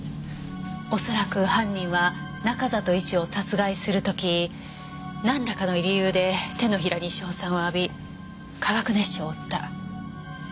おそらく犯人は中里医師を殺害する時なんらかの理由で手のひらに硝酸を浴び化学熱傷を負った。